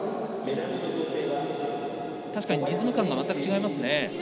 確かにリズム感が全く違いますね。